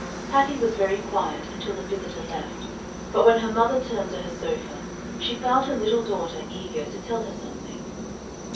Patty was very quiet until the visitor left; but when her mother turned to her sofa, she found her little daughter eager to tell her something.